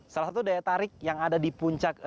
salah satu daya tarik yang ada di puncak